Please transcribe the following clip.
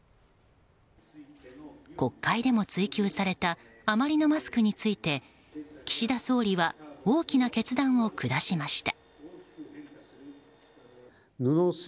国会でも追及された余りのマスクについて岸田総理は大きな決断を下しました。